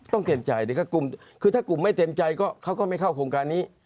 เต็มใจคือถ้ากลุ่มไม่เต็มใจก็เขาก็ไม่เข้าโครงการนี้